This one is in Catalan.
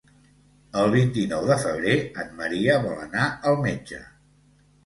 El vint-i-nou de febrer en Maria vol anar al metge.